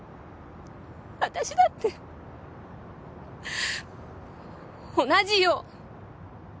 私だって同じよ。